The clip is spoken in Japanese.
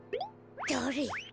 だれ？